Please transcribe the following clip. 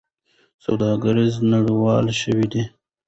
سوداګري نړیواله شوې ده.